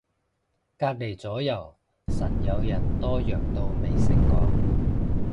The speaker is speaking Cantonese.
隔離咗右實有人多藥到未食過